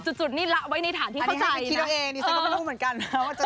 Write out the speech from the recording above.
จุดนี่ระวัยในฐานที่เข้าใจนะ